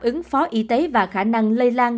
ứng phó y tế và khả năng lây lan